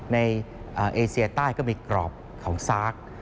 ในเอเซียใต้ก็มีกรอบของซาก